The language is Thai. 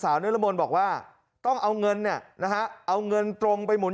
นิรมนต์บอกว่าต้องเอาเงินเนี่ยนะฮะเอาเงินตรงไปหมุน